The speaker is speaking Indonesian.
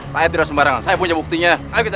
saya tidak sembarangan saya punya buktinya